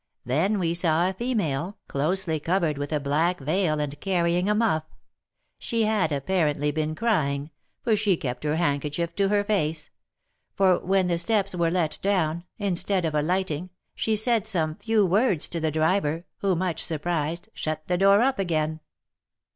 Then we saw a female, closely covered with a black veil, and carrying a muff; she had apparently been crying, for she kept her handkerchief to her face; for when the steps were let down, instead of alighting, she said some few words to the driver, who, much surprised, shut the door up again."